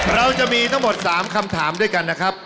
เราจะมีทั้งหมด๓คำถามด้วยกันนะครับ